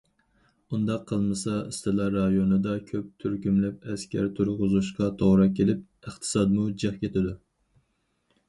ئۇنداق قىلمىسا ئىستىلا رايونىدا كۆپ تۈركۈملەپ ئەسكەر تۇرغۇزۇشقا توغرا كېلىپ ئىقتىسادمۇ جىق كېتىدۇ.